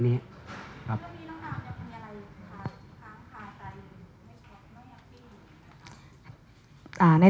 ตอนนี้น้องอามยังมีอะไรท้องค่าใจในช่องนี้